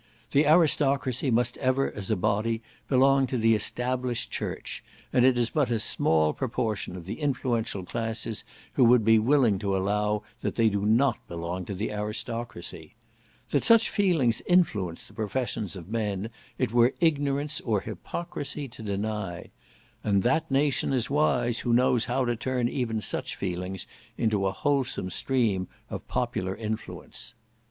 The aristocracy must ever, as a body, belong to the established Church, and it is but a small proportion of the influential classes who would be willing to allow that they do not belong to the aristocracy. That such feelings influence the professions of men it were ignorance or hypocrisy to deny; and that nation is wise who knows how to turn even such feelings into a wholesome stream of popular influence.